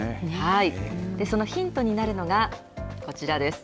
そのヒントになるのがこちらです。